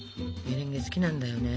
メレンゲ好きなんだよね。